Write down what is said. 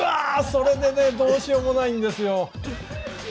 それでねどうしようもないんですよ。